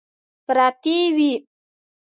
پرتې وې.